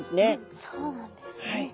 そうなんですね。